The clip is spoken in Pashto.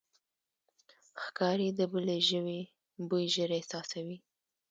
ښکاري د بلې ژوي بوی ژر احساسوي.